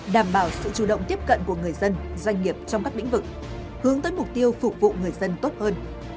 đảm bảo sự chủ động tiếp cận của người dân doanh nghiệp trong các lĩnh vực hướng tới mục tiêu phục vụ người dân tốt hơn